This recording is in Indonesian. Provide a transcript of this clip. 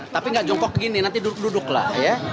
tapi nggak jongkok gini nanti duduk duduk lah